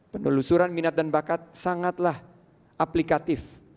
penelusuran minat dan bakat sangatlah aplikatif